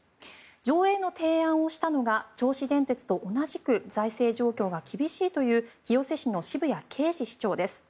上映の提案をしたのが銚子電鉄と同じく財政状況が厳しいという清瀬市の澁谷桂司市長です。